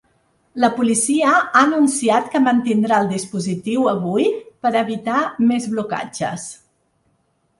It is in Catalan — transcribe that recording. La policia ha anunciat que mantindrà el dispositiu avui per a evitar més blocatges.